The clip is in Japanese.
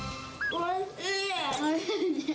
おいしいね。